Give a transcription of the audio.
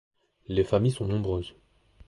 Les familles sont nombreuses.